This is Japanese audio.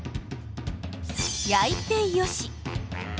焼いてよし。